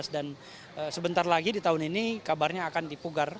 dan sebentar lagi di tahun ini kabarnya akan dipugar